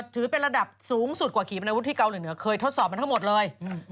ถือเป็นระดับสูงสุดกว่าขี่ปนาวุธที่เกาหลีเหนือเคยทดสอบมาทั้งหมดเลย